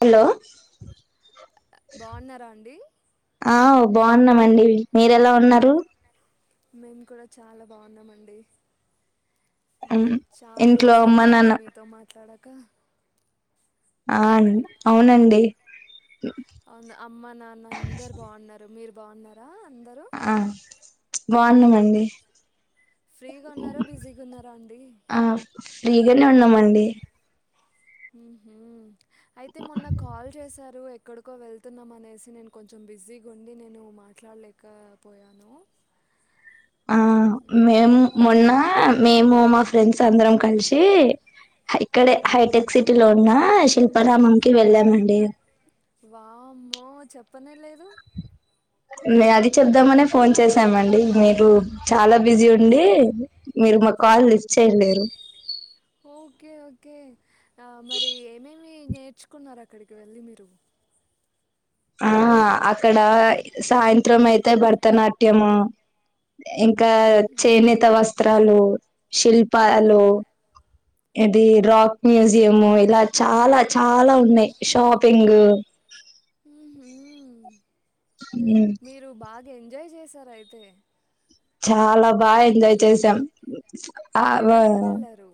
Hello బాగున్నారా అండి ఆ బాగున్నామ అండి మీర ఎలా ఉన్నారు మేము కూడా చాలా బాగున్నామండి చాలా ఇంట్లో రోజులు అమ్మ అవుతుంది నాన్న మీతో మాట్లాడాక ఆ అవునండి అవును అమ్మ నాన్న అందరు బాగున్నారు మీరు బాగున్నారా అందరూ ఆ బాగున్నామండి ఫ్రీగా ఉన్నారా బిజీగా ఉన్నారా అండి ఆ ఫ్రీగానే ఉన్నామండి ఉహు అయితే మొన్న కాల్ చేశారు ఎక్కడికో వెళ్తున్నాం అనేసి నేను కొంచెం బిజీ ఉండి నేను మాట్లాడలేకపోయాను ఆ మేము మ్మ్. మొన్న మేము మా ఫ్రెండ్స్ అందరం కలిసి ఇక్కడే మ్మ్. హైటెక్ సిటీ లో ఉన్న శిల్పారామంకి వెళ్లామండి వామ్మో చెప్పనే లేదు మే అది చెబుదామనే ఫోన్ చేసామండి మీరు చాలా బిజీ ఉండి మీరు మా కాల్ లిఫ్ట్ చేయలేరు ఓకే ఓకే ఆ మరి ఏం ఏం మీ నేర్చుకున్నారు అక్కడికి వెళ్ళి మీరు ఆ అక్కడ సాయంత్రం అయితే భరతనాట్యమ ఇంకా చేనేత వస్త్రాలు శిల్పాలు ఇది ఓకే. రాక్ మ్యూజు ది ఏమో ఇలా చాలా చాలా ఉన్నాయి షాపింగ్ హుహు. ఉ మీరు బాగా ఎంజాయ్ చేసారు అయితే చాలా బాగా ఎంజాయ్ చేసాం ఆవ ఎవరెవరెళ్లారు?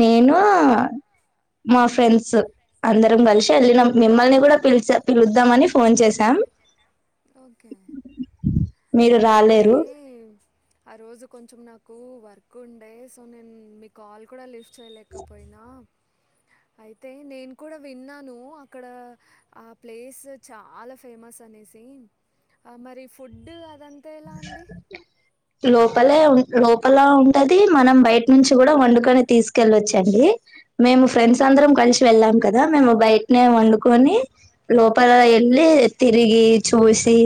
నేను మా ఫ్రెండ్స్ అందరం కలిసి వెళ్లినం మిమ్మల్ని కూడా పిలిచ పిలుద్దామని ఫోన్ చేసాం ఓకే మీరు అయితే రాలేరు ఆ రోజు కొంచెం నాకు వర్క్ ఉండే సో నేను మీ కాల్ కూడా లిఫ్ట్ చేయలేకపోయినా అయితే నేను కూడా విన్నాను అక్కడ ఆ ప్లేస్ చాలా ఫేమస్ అనే సేమ్ మరి ఫుడ్ అద్ లోపలే ఉమ్ లోపలా ఉంటది మనం బయట నుంచి కూడా వండుకొని తీసుకెళ్లొచ్చండి మేము ఫ్రెండ్స్ తో అందరం కలిసి వెళ్ళాం కదా మేము బయ నే వండుకొని లోపల వెళ్ళి మ్మ్. తిరిగి చూసి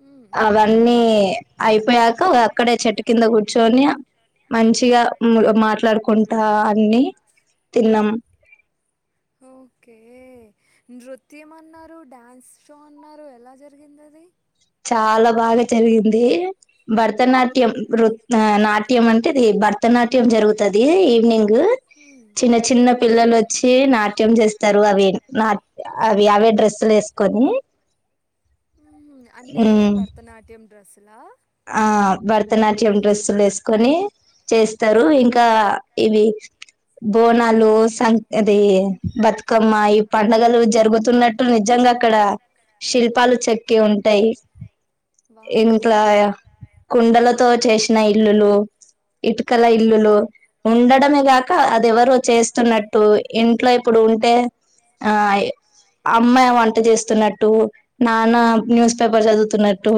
ఉ అవన్నీ అయిపోయాక అక్కడే చెట్టు కింద కూర్చో అన్నయ్య మంచిగా అమ్ములు మాట్లాడుకుంటా అన్ని తిన్నాం ఉ ఓకే నృత్యం అన్నారు డ్యాన్స్ షో అన్నారు ఎలా జరిగింది అది చాలా బాగా జరిగింది భరతనాట్యం మ్మ్హ్మ్. వృత్ ఆ నాట్ నాట్యం అంటే అది భరతనాట్యం జరుగుతది ఈవినింగ్ గు మ్మ్. చిన్న ఓకే చిన్న పిల్లలు వచ్చి నాట్యం చేసు తారు అవిన్ నా అవి అవే డ్రెస్లు వేసుకొని ఉమ్ అంటే ఇవి ఉమ్, భరతనాట్యం డ్రెస్సు లా ఆ భరతనాట్యం డ్రెస్సులు వేసుకొని చేస్తారు ఇంకా ఇవి బోనాలు సంగ్ అది బతుకమ్మ ఈ పండుగలు జరుగుతున్నట్టు నిజ ఇంగా అక్కడ శిల్పాలు మ్మ్. చెక్కి ఉంటాయి వామ్మో ఇంట్లా కుండలతో చేసిన ఇల్లులు ఇటుకల ఆహా ఇల్లులు ఆ ఉండడం అనే కాక అది ఎవరో చేస్తున్నట్టు ఇంట్లో ఇప్పుడు ఉంటే ఆయ్ అమ్మాయి వంట చేస్తున్నట్టు నాన్న న్యూస్ పేపర్ చదువుతున్నట్టు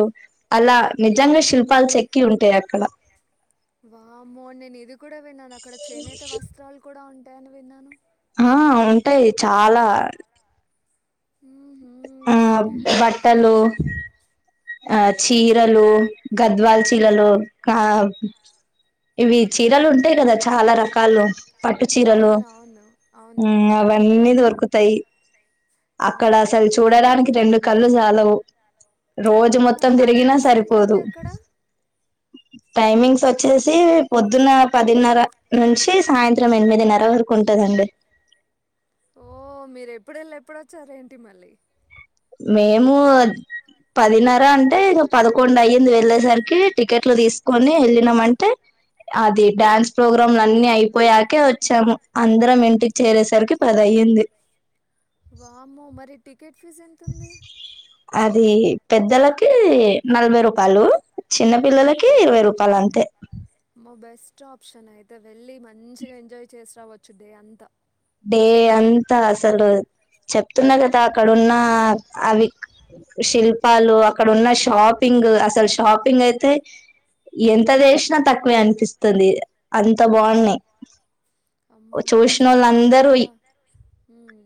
అలా నిజంగా శిల్పాలు చెక్కి ఉంటాయి యాక్ వామ్మో నేను ఇది కూడా విన్నాను అక్కడ చేనేత వస్త్రాలు కూడా ఉం టెను విన్నాను ఆ ఉంటాయి చాలార్ ఉహు ఆ బట్టలు ఆ ఓకే అదే చీరలు గద్వల్ మ్మ్. చీలలు కమ్ ఇవి చీరలు ఉంటాయి ఓకే కదా చాలా రకాలు పట్టు చీరలు అవునవును ఉమ్ అవునండి అవన్నీ దొరుకు తయి అక్కడ ఓకే. అసల్ చూడడానికి రెండు కళ్ళు సాలావు రోజు అవునా మొత్తం తిరిగినా టైమింగ్స్ సరిపోదు ఏంటండి అక్కడ? టైమింగ్స్ వచ్చేసి పొద్దున్న పదిన్నర నుంచి సాయంత్రం ఎనిమిదిన్నర వరక్ ఉంటదండి ఓ మీర్ ఎప్పుడు ఎళ్ళి ఎప్పుడొచ్చార్ ఏంటి మళ్ళీ మేము ఓ పదిన్నర అంటే ఇంగ పదకొండు అయ్యింది వెళ్ళేసరికి టికెట్లు తీసుకొని వెళ్ళినమంటే అది డ్యాన్స్ ప్రోగ్రామ్ అన్ని అయిపోయాకే వచ్చాము అందరం ఇంటిక్ చేరేసరికి పది అయింది వామ్మో మరి టికెట్ ఫీజు ఎంతుంది అది పెద్దలకి నలభై రూపాలు చిన్న పిల్లలకి ఓకే. ఇరవై రూపాలు అంతే అమ్మో! బెస్ట్ ఆప్షన్ అయితే వెళ్ళి మంచిగా ఎంజాయ్ చేస్ రావొచ్చు డే అంతా డే అంతా అసలు చెప్తున్నా కదా అక్కడున్న అ అవి శిల్పాలు అక్కడ ఉన్న షాపింగ్ అసల్ షాపింగ్ అయితే ఎంత చేశ్ నా తక్కువే అనిపిస్తుంది అంత బాఉన్నాయి అమ్మో మీరు చాలా హ్మ్మ్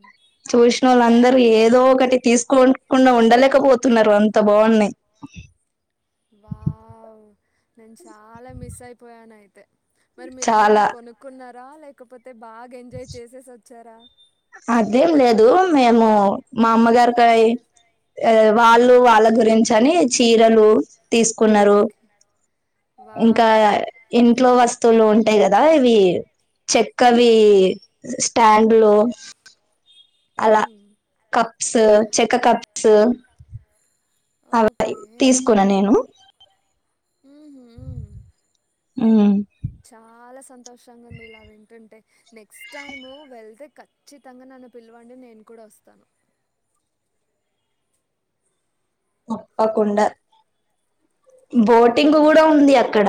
అందరు ఏదో ఒకటి తీసుకున్ కుండా ఉండలేకపోతున్నారు అంత బాఉన్నాయి వావ్ నేన్ చాలా మిస్ అయిపోయాన్ అయితే మరి మీరేమైనా చాలా కొనుక్కున్నారా లేకపోతే బాగ్ ఎంజాయ్ చేసేస్ వచ్చారా అదేం లేదు మేము మా అమ్మగారి కయి ఎ వాళ్ళు వాళ్ళ గురించ్ అని చీరాలు తీసుకునరు ఓకే ఇంకా వావ్ ఇంట్లో వస్ తులు ఉంటాయి కదా ఇవి చెక్కవి స్టాండ్ లో అలా హ్మ్. కప్స్ చెక్క కప్స్ అవయి ఓకే తీసుకున నేను ఉమ్ [unintelligible] ఉమ్ చాలా సంతోషంగా ఉంది ఇలా వింటుంటే నెక్స్ట్ టైము వెళ్తే ఖచ్చితంగా నా నన్ పిల్లవండి నేను కూడా వస్తాను ఓప్పకుండా బోటింగ్ మ్మ్. కూడా ఉంది అక్కడ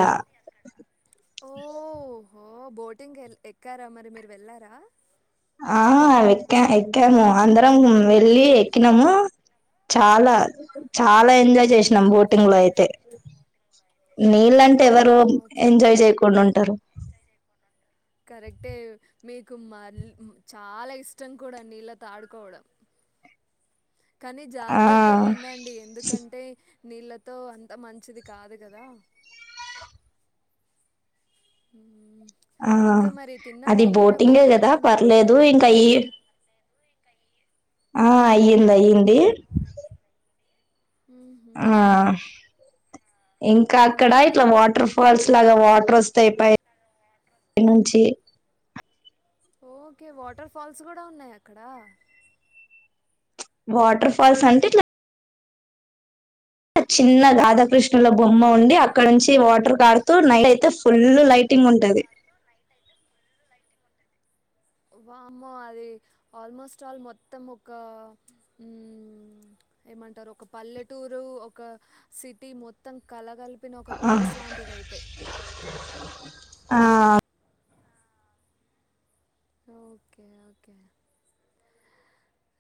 ఓహో బోటింగ్ ఎల్ ఎక్కారా మరి మీరు వెళ్ళారా ఆహ వెక్కా ఎక్కాము అందరం వెళ్ళి ఎక్కినము చాలా చాలా ఎంజాయ్ జేశ్ నమ్ బోటింగ్ లో అయితే బోటింగ్ ఇదో [unintelligible] నీళ్ళంటే ఎవరు ఎంజాయ్ జేయ్ కుండా ఉంటారు కరెక్టే మీకు మర్ ల్ చాలా ఇష్టం కూడా నీళ్ళ తో ఆడుకోవడం కానీ ఆ జాగ్రత్త గుండండి ఎందుకంటే నీళ్ళతో అంత మంచిది కాదు కదా హ్మ్ ఆ అది బోటింగే భోజనం కదా అయిందా మీది పర్లేదు ఇంకా ఈ ఆ అయ్యిందయ్యింది మ్హూ. ఆ ఇంకా ఏం అక్కడ ఇట్లా తిన్నారండి వాటర్ ఫాల్స్ లాగా వాటర్ వస్తయి పై ఇన్ నుంచి ఓకే వాటర్ ఫాల్స్ కూడా ఉన్నాయి అక్కడ చ్ వాటర్ ఫాల్స్ అంటే ఇట్లా చిన్న రాగాధాకృష్ణుల బొమ్మ ఉండి అక్కడ నుంచి వాటర్ కారుతూ నైట్ అయితే ఫుల్ లైటింగ్ ఉంటది వామ్మో అది ఆల్మోస్ట్ ఆల్ మొత్తం ఒక ఊ మ్ ఏమంటారు ఒక పల్లెటూరు ఒక సిటీ మొత్తం కలగలి పి న ఒక ప్లేస్ లాంటిది అయితే ఆ ఓకే ఓకే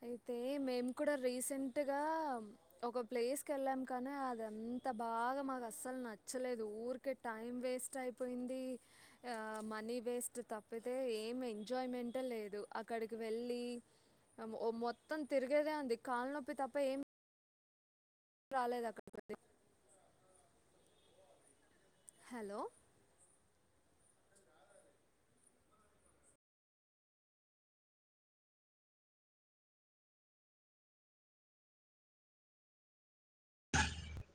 అయితే మేము కూడా రీసెంట్ గా ఒక ప్లేస్ క వెళ్ళాం కానీ అద అంత బాగా మాకు అసలు నచ్చలేదు ఊరికే టైం వేస్ట్ అయిపోయింది ఆ మనీ వేస్ట్ తప్పితే ఏం ఎంజాయ్మెంటట్ లేదు అక్కడికి వెళ్ళి ఓ మొత్తం తిరిగేదే అంది కాళ్ళ నొప్పి తప్ప ఏం రాలేదు అక్కడి పోయి హలో